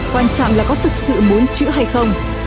quan trọng là có thực sự muốn chữ hay không